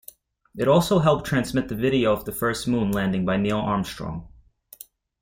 It also helped transmit the video of the first Moon landing by Neil Armstrong.